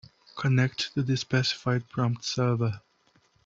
Connect to the specified prompt server.